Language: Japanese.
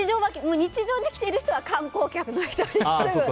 日常で着てる人は観光客の人ですけど。